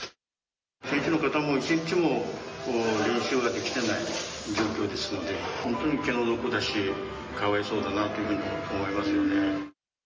選手の方も、一日も練習ができていない状況ですので、本当に気の毒だし、かわいそうだなというふうに思いますよね。